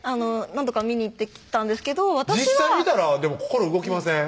何度か見に行ってきたんですけど実際見たら心動きません？